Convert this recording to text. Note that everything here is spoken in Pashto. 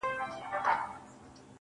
نن دي دواړي سترگي سرې په خاموشۍ كـي.